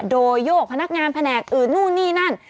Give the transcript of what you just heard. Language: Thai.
โดยโยกพนักงานแผนกอื่นนู่นนี่นั่น